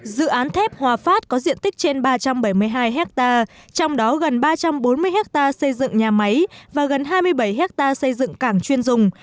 dự án thép hòa phát có diện tích trên ba trăm bảy mươi hai hectare trong đó gần ba trăm bốn mươi ha xây dựng nhà máy và gần hai mươi bảy hectare xây dựng cảng chuyên dùng